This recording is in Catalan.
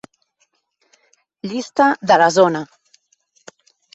Llista de la zona.